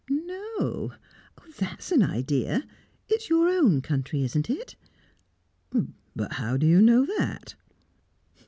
"No! That's an idea. It's your own country, isn't it?" "But how do you know that?"